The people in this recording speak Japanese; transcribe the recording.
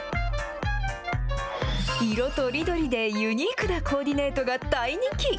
色とりどりでユニークなコーディネートが大人気。